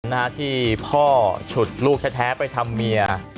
นะฮะที่พ่อฉุดลูกแท้ไปทำเมีย